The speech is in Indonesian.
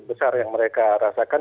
besar yang mereka rasakan